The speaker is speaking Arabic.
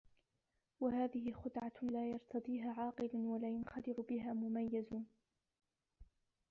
وَهَذِهِ خُدْعَةٌ لَا يَرْتَضِيهَا عَاقِلٌ وَلَا يَنْخَدِعُ بِهَا مُمَيِّزٌ